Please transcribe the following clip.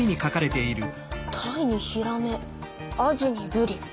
タイにヒラメアジにブリ。